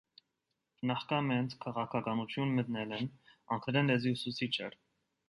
Նախքան մեծ քաղաքականություն մտնելն անգլերեն լեզվի ուսուցիչ էր։